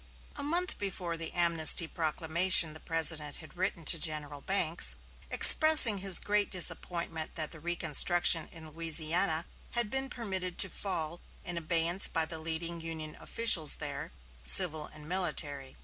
A month before the amnesty proclamation the President had written to General Banks, expressing his great disappointment that the reconstruction in Louisiana had been permitted to fall in abeyance by the leading Union officials there, civil and military.